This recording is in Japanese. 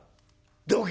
「どけ！